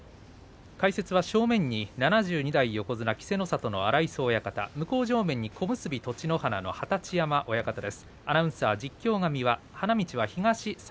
解説は正面に第７２代横綱稀勢の里の荒磯親方向正面に元小結栃乃花の二十山親方です。